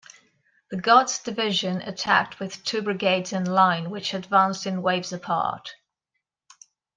The Guards Division attacked with two brigades in line, which advanced in waves apart.